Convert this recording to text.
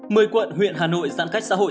mời quận huyện hà nội giãn cách xã hội